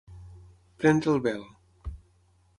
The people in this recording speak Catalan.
Prendre el vel.